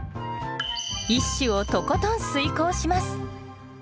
一首をとことん推敲します。